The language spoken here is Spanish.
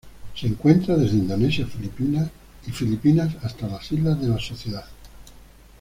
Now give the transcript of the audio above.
Se encuentra desde Indonesia y Filipinas hasta las Islas de la Sociedad.